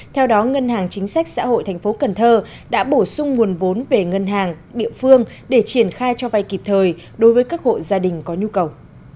theo đó ngân hàng chính sách xã hội tp cn đã bổ sung nguồn vốn về ngân hàng địa phương để triển khai cho vai kịp thời đối với các hộ gia đình có nhu cầu